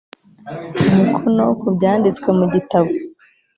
umukono ku byanditswe mu gitabo